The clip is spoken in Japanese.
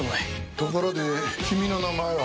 ところで君の名前は？